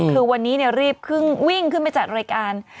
คือวันนี้รีบวิ่งขึ้นไปจัดรายการ